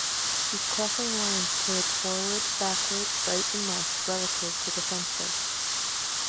These crossing lines pointed forward, backward, right, and left, relative to the fencer.